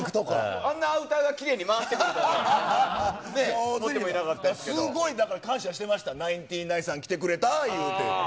あんなアウターがきれいに回すごいだから感謝してました、ナインティナインさん来てくれた言うて。